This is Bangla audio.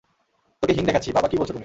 তোকে হিং দেখাচ্ছি - বাবা কি বলছ তুমি?